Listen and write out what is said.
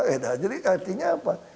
eh dah jadi artinya apa